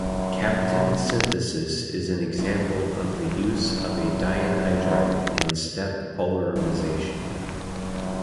Kapton synthesis is an example of the use of a dianhydride in step polymerization.